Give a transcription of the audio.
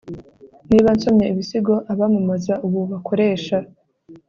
niba nsomye ibisigo abamamaza ubu bakoresha